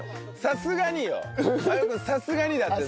さすがによ！